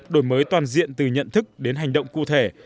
đổi mới toàn diện từ nhận thức đến hành động cụ thể